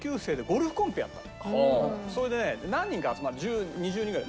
それでね何人か集まる２０人ぐらい。